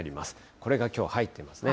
これがきょう入ってますね。